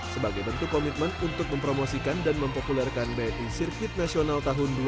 sebagai bentuk komitmen untuk mempromosikan dan mempopulerkan bni sirkuit nasional tahun dua ribu dua puluh